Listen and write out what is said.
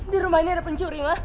di rumah ini ada pencuri mas